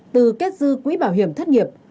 từ kết dư quỹ bảo hiểm thất nghiệp